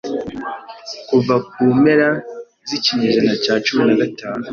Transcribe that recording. kuva mu mpera z'ikinyejana cya cumi na gatanu